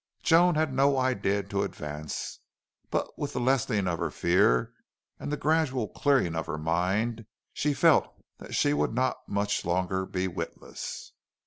Joan had no idea to advance, but with the lessening of her fear and the gradual clearing of her mind she felt that she would not much longer be witless.